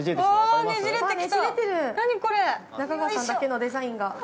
◆中川さんだけのデザインが。